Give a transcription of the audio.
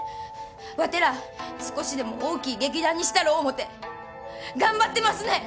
ワテら少しでも大きい劇団にしたろ思うて頑張ってますねん！